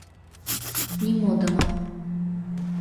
— Нимодымо...